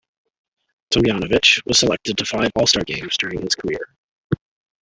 Tomjanovich was selected to five All-Star Games during his career.